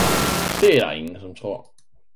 Det er der ingen som tror!